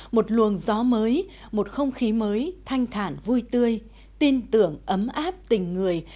một luồng gió mới một không khí mới thanh thản vui tươi tin tưởng ấm áp tình người